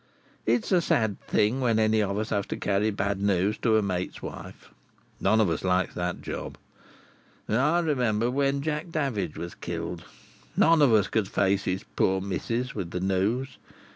It's a sad thing when any of us have to carry bad news to a mate's wife. None of us likes that job. I remember when Jack Davidge was killed, none of us could face his poor missus with the news.